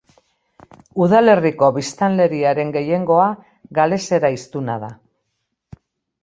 Udalerriko biztanleriaren gehiengoa galesera hiztuna da.